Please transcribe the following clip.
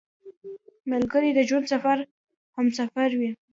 ملګری د ژوند سفر همسفر وي